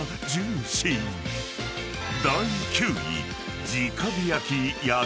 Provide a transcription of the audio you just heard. ［第９位］